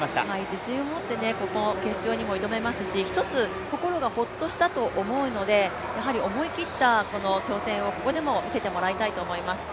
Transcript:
自信を持って、この決勝にも挑めますし心が一つほっとしたの思うのでやはり思い切った挑戦をここでも見せてもらいたいと思います。